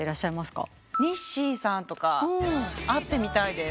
Ｎｉｓｓｙさんとか会ってみたいです。